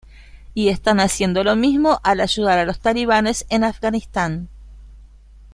Y están haciendo lo mismo al ayudar a los Talibanes en Afganistán.